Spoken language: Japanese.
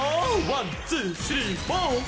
ワンツースリーフォー。